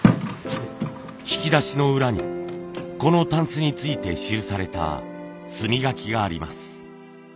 引き出しの裏にこの箪笥について記された墨書きがあります。